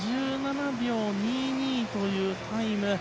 ７分５７秒２２というタイム。